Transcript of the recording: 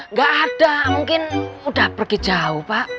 nggak ada mungkin sudah pergi jauh pak